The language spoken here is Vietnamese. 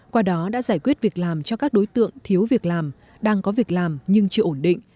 qua đó đã giải quyết việc làm cho các đối tượng thiếu việc làm đang có việc làm nhưng chưa ổn định